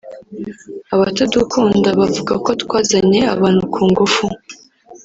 "Abatadukunda bavuga ko twazanye abantu ku ngufu